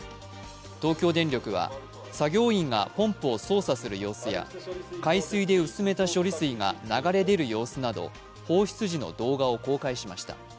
東京電力は作業員がポンプを操作する様子や海水で薄めた処理水が流れ出る様子など放出時の動画を公開しました。